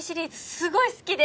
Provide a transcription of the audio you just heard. すごい好きで。